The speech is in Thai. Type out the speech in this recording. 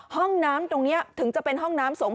ห้องน้ำตรงนี้ถึงจะเป็นห้องน้ำสงฆ